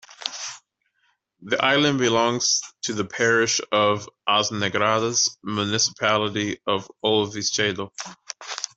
The island belongs to the parish of As Negradas, municipality of O Vicedo.